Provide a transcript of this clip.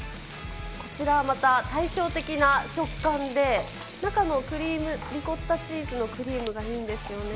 こちらはまた対照的な食感で、中のクリーム、リコッタチーズのクリームがいいんですよね。